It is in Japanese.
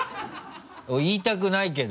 言いたくないけど。